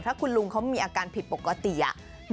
ถ้าคุณลุงเขามีอาการผิดปกติอ่ะ